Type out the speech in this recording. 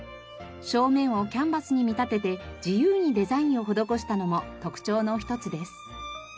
正面をキャンバスに見立てて自由にデザインを施したのも特徴の一つです。